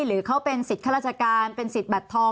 หรือเขาเป็นสิทธิ์ข้าราชการเป็นสิทธิ์บัตรทอง